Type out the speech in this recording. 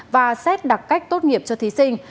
và xét đặc cách tốt nghiệp cho thí sinh